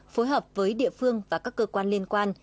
phối hợp với địa phương và các cơ quan liên quan